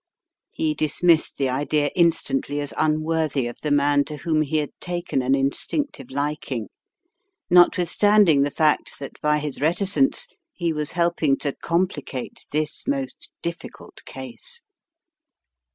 He dismissed the idea instantly as unworthy of the man to whom he had taken an instinctive liking, notwithstanding the fact that by his reticence he was helping to complicate this most difficult case.